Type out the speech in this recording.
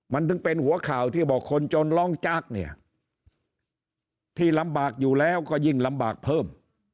มันถึงเป็นหัวข่าวที่บอกคนจนร้องจากเนี่ยที่ลำบากอยู่แล้วก็ยิ่งลำบากเพิ่ม